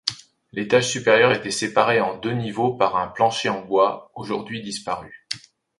L’étage supérieur était séparé en deux niveaux par un plancher en bois, aujourd’hui disparu.